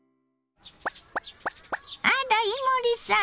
あら伊守さん。